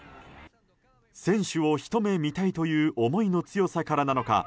選手をひと目見たいという思いの強さからなのか